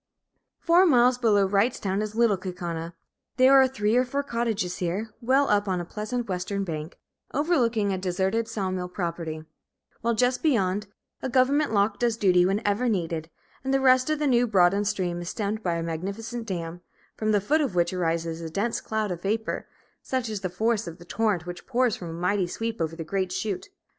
Four miles below Wrightstown is Little Kaukauna. There are three or four cottages here, well up on the pleasant western bank, overlooking a deserted saw mill property; while just beyond, a government lock does duty whenever needed, and the rest of the now broadened stream is stemmed by a magnificent dam, from the foot of which arises a dense cloud of vapor, such is the force of the torrent which pours with a mighty sweep over the great chute.